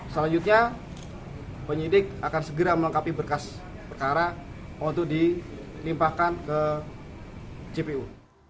selanjutnya penyidik akan segera melengkapi berkas perkara untuk dilimpahkan ke jpu